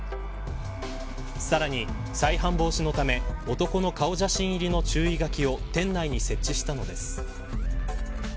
さらに、再犯防止のため男の顔写真入りの注意書きを店内に設置したのです。